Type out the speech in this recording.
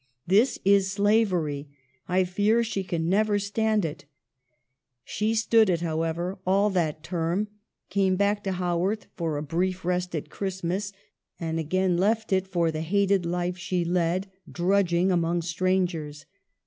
This is slavery. I fear she can never stand it." She stood it, however, all that term ; came back to Haworth for a brief rest at Christmas, and again left it for the hated life she led, drudging among strangers.